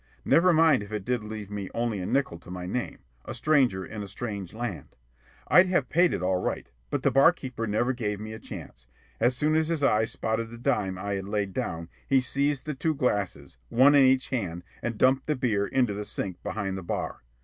Never mind if it did leave me only a nickel to my name, a stranger in a strange land. I'd have paid it all right. But that barkeeper never gave me a chance. As soon as his eyes spotted the dime I had laid down, he seized the two glasses, one in each hand, and dumped the beer into the sink behind the bar.